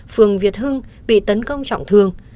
phường việt hưng bị tấn công trọng thương